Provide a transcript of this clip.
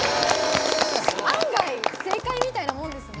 案外正解みたいなもんですね。